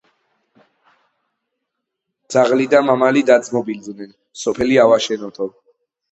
ძაღლი და მამალი დაძმობილდენ: სოფელი ავაშენოთო